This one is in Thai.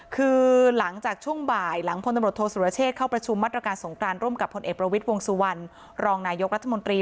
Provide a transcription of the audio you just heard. คือหลังจากช่วงบ่ายหลังพลตำรวจโทษสุรเชษฐเข้าประชุมมาตรการสงกรานร่วมกับพลเอกประวิทย์วงสุวรรณรองนายกรัฐมนตรี